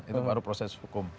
itu baru proses hukum